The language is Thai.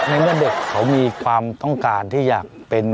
ในเมื่อเด็กเขามีความต้องการที่อยากเป็น